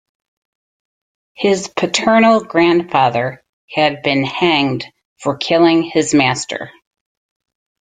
His paternal grandfather had been hanged for killing his master.